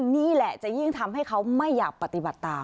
นี่แหละจะยิ่งทำให้เขาไม่อยากปฏิบัติตาม